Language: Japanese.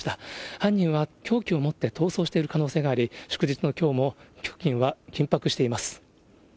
犯人は凶器を持って逃走している可能性があり、祝日のきょうも、付近は緊迫しています。